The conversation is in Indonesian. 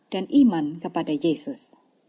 dan iman kepada yesus